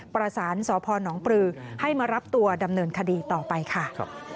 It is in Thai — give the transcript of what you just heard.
ประสานสพนปลือให้มารับตัวดำเนินคดีต่อไปค่ะ